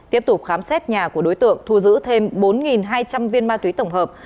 tiếp tục khám xét nhà của đối tượng thu giữ thêm bốn hai trăm linh viên ma túy tổng hợp